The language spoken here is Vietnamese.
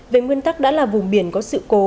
về nguyên tắc đã là vùng biển có sự cố